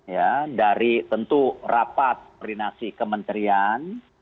ya dari tentu rapat koordinasi kementerian